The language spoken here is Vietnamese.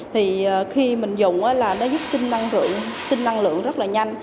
thì khi mình dùng là nó giúp sinh năng lượng rất là nhanh